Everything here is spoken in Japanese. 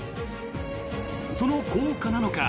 その効果なのか